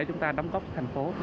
chúng ta đóng góp thành phố